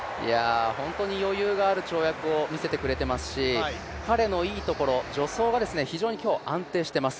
本当に余裕のある跳躍を見せてくれていますし彼のいいところ助走が非常に安定しています。